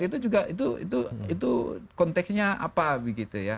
itu juga itu konteksnya apa begitu ya